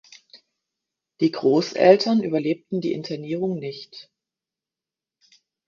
Die Großeltern überlebten die Internierung nicht.